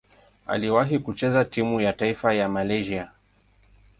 Aliwahi kucheza timu ya taifa ya Malaysia.